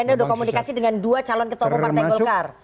jadi anda sudah komunikasi dengan dua calon ketua umum partai golkar